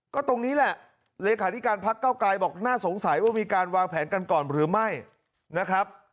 ก็ตรงนี้แหละเลขาธิการพักเก้าไกรบอกน่าสงสัยว่ามีการวางแผนกันก่อนหรือไม่นะครับ